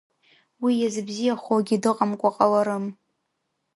Уи иазыбзиахогьы дыҟамкәа ҟаларым.